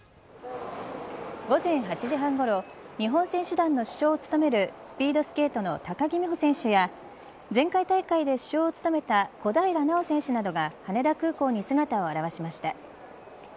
午前８時半ごろ日本選手団の主将を務めるスピードスケートの高木美帆選手や前回大会で主将を務めた小平奈緒選手などが羽田空港に姿を現しました。